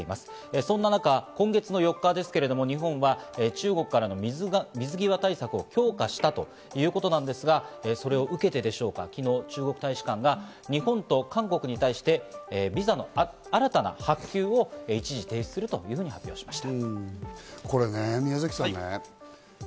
そんな中、今月４日、日本は中国からの水際対策を強化したということですが、それを受けてでしょうか、昨日、中国大使館が日本と韓国に対してビザの新たな発給を一時停止すると発表しました。